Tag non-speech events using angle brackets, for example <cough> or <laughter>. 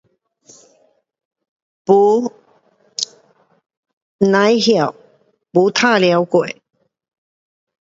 um 没， <noise> 甭晓，没玩耍过。